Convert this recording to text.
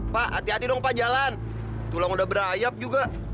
pak hati hati dong pak jalan tulang udah berayap juga